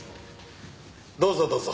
どうぞどうぞ。